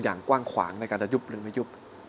อย่างกว้างขวางในการจะยุบหรือไม่ยุบ